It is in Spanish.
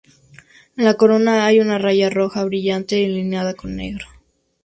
En la corona hay una raya roja brillante delineada con negro.